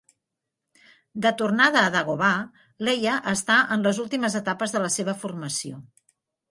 De tornada a Dagobah, Leia està en les últimes etapes de la seva formació.